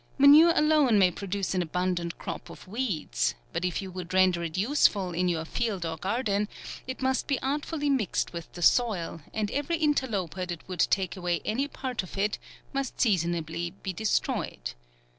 Manure alone may produce an abundant crop of weeds ; but if you would render it useful in your field or garden, it must be artfully mixed with the soil, and ev ery interloper that would take away any part of it, must seasonably be destroyed.